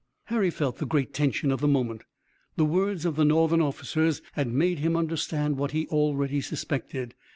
Harry felt the great tension of the moment. The words of the Northern officers had made him understand what he already suspected.